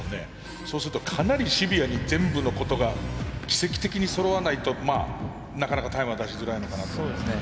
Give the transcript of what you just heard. そうするとかなりシビアに全部のことが奇跡的にそろわないとなかなかタイムは出しづらいのかなと思いますね。